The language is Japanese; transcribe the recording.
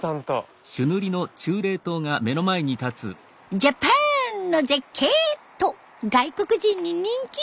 「ジャパンの絶景！」と外国人に人気。